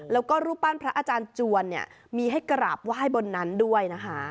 แล้วก็รูปปั้นพระอาจารย์จวนเนี่ยมีให้กราบไหว้บนนั้นด้วยนะคะ